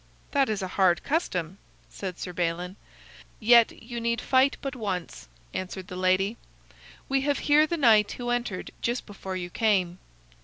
"That is a hard custom," said Sir Balin. "Yet you need fight but once," answered the lady. "We have here the knight who entered just before you came."